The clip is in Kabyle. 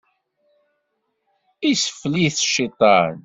Isfel-it cciṭan.